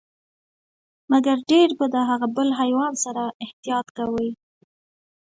مګر ډیر به د هغه بل حیوان سره احتياط کوئ،